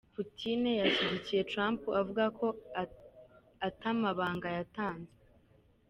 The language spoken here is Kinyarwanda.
Putin yashigikiye Trump avuga ko "ata mabanga yatanzwe".